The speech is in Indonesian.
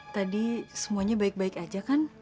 tadi semuanya baik baik aja kan